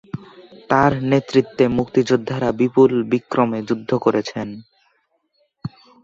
তার নেতৃত্বে মুক্তিযোদ্ধারা বিপুল বিক্রমে যুদ্ধ করছেন।